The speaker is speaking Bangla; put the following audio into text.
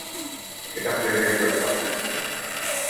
এটা প্রেমের ব্যাপার।